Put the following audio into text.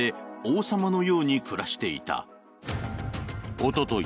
おととい